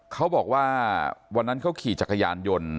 เขาบอกว่าวันนั้นเขาขี่จักรยานยนต์